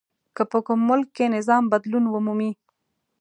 که په کوم ملک کې نظام بدلون ومومي.